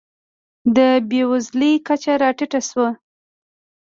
د بېوزلۍ کچه راټیټه شوه.